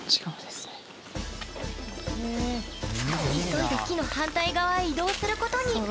急いで木の反対側へ移動することに。